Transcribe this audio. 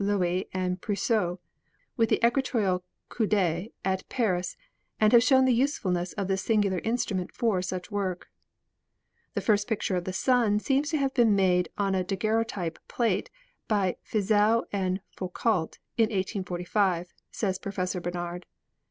Loewy and Puiseux, with the equatorial coude, at Paris, and have shown the usefulness of this singular instrument for such work. "The first picture of the Sun seems to have been made on a daguerreotype plate by Fizeau and Foucault in 1845," says Professor Barnard.